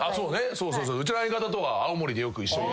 そうそううちの相方とは青森でよく一緒に。